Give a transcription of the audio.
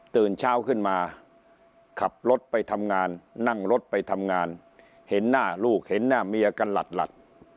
ตื่นเช้าขึ้นมาขับรถไปทำงานนั่งรถไปทำงานเห็นหน้าลูกเห็นหน้าเมียกันหลัด